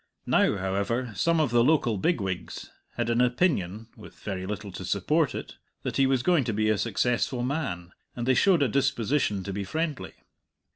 Now, however, some of the local bigwigs had an opinion (with very little to support it) that he was going to be a successful man, and they showed a disposition to be friendly.